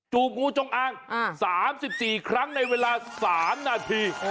งูจงอาง๓๔ครั้งในเวลา๓นาที